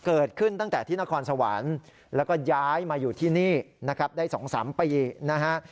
เกิดขึ้นตั้งแต่ที่นครสวรรค์แล้วก็ย้ายมาอยู่ที่นี่นะครับได้๒๓ปีนะฮะ